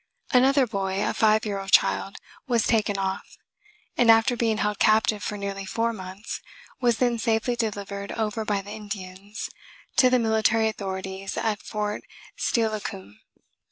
Another boy, a five year old child, was taken off, and after being held captive for nearly four months was then safely delivered over by the Indians to the military authorities at Fort Steilacoom.